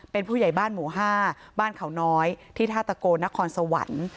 เป็นผู้ใหญ่บ้านหมู่๕บ้านเขาน้อยที่ท่าตะโกนครสวรรค์